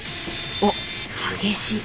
おっ激しい。